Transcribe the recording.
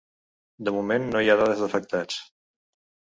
De moment no hi ha dades d’afectats.